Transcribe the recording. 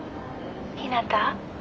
ひなた？